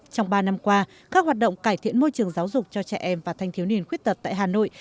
trong ba năm qua các hoạt động cải thiện môi trường giáo dục cho trẻ em và thanh thiếu niên khuyết tật tại hà nội